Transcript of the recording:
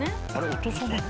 落とさないの？